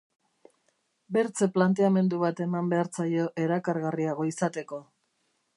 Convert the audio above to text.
Bertze planteamendu bat eman behar zaio erakargarriago izateko.